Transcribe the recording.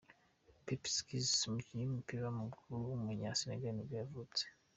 Papiss Cissé, umukinnyi w’umupira w’amaguru w’umunya-Senegal nibwo yavutse.